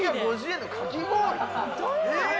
４９５０円のかき氷？